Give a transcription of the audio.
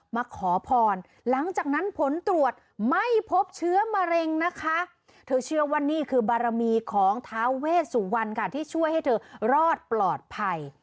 มาขอพรหลังจากนั้นผลตรวจไม่พบเชื้อมะเร็งนะคะเธอเชื่อว่านี่คือบารมีของท้าเวสวรรณค่ะที่ช่วยให้เธอรอดปลอดภัย